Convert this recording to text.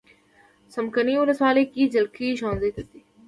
څمکنیو ولسوالۍ کې جلکې ښوونځی ته ځي.